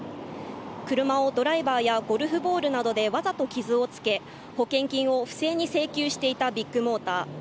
車をドライバーやゴルフボールなどでわざと傷をつけ保険金を不正に請求していたビッグモーター。